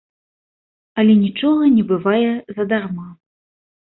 Але нічога не бывае задарма.